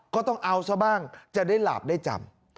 ก็ต้องเอาซะบ้างจะได้หลาบได้จำ